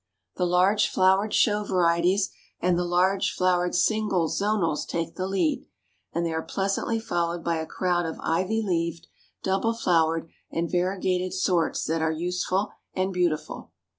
"The large flowered show varieties and the large flowered single Zonals take the lead, and they are pleasantly followed by a crowd of ivy leaved, double flowered and variegated sorts that are useful and beautiful.